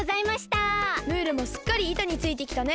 ムールもすっかりいたについてきたね。